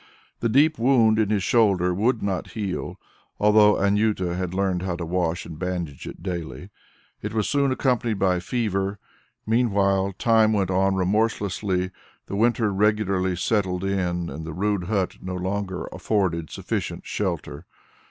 The deep wound in his shoulder would not heal, although Anjuta had learnt how to wash and bandage it daily. It was soon accompanied by a fever. Meanwhile, time went on remorselessly; the winter regularly settled in, and the rude hut no longer afforded sufficient shelter.